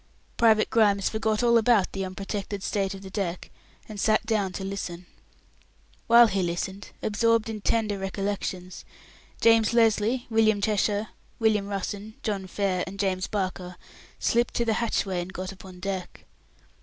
Private Grimes forgot all about the unprotected state of the deck, and sat down to listen. While he listened, absorbed in tender recollections, James Lesly, William Cheshire, William Russen, John Fair, and James Barker slipped to the hatchway and got upon the deck.